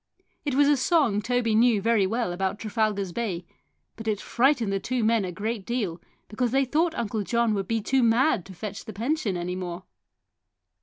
It was a song Toby knew very well about Trafalgar's Bay, but it frightened the two men a great deal because they thought Uncle John would be too mad to fetch the pension any more.